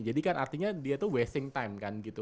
jadi kan artinya dia tuh wasting time kan gitu